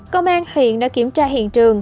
công an huyện đã kiểm tra hiện trường